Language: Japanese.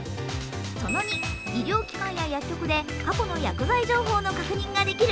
その２、医療機関や薬局で過去の確認ができる。